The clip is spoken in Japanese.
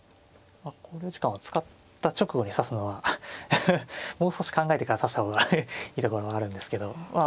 考慮時間を使った直後に指すのはもう少し考えてから指した方がいいところはあるんですけどまあ